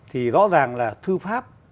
thì rõ ràng là thư pháp